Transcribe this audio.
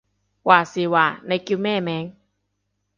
話時話，你叫咩名？